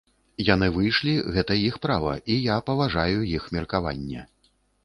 Яны выйшлі, гэта іх права, і я паважаю іх меркаванне.